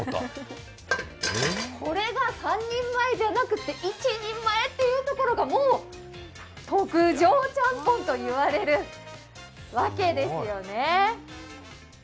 これが３人前じゃなくて１人前っていうところが、もう、特上ちゃんぽんと言われるわけですよね。